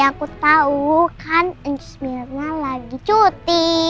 aku tahu kan miss mirna lagi cuti